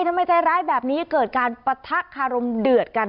ทำไมใจร้ายแบบนี้เกิดการปะทะคารมเดือดกัน